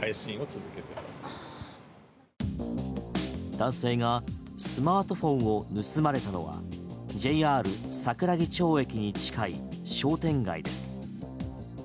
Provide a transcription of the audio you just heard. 男性がスマートフォンを盗まれたのはＪＲ桜木町駅に近い商店街です。